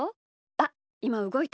あっいまうごいた。